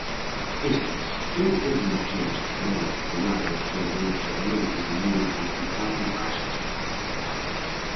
Estas intervencións tamén actuaron sobre un fragmento do muro principal do castro.